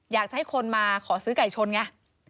อยากจะให้คนมาขอซื้อไก่ชนไง